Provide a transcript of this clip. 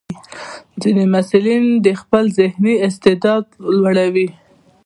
ځینې محصلین د خپل ذهني استعداد لوړوي.